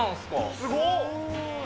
すごっ！